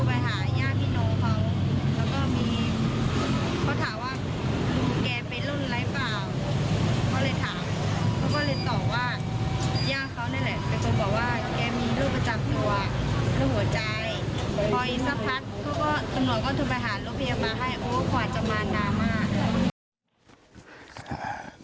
โอ้กว่าจะมานานมาก